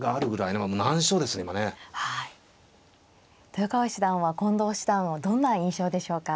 豊川七段は近藤七段をどんな印象でしょうか。